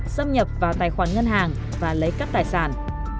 xâm nhập vào tài khoản ngân hàng và lấy cắp tài sản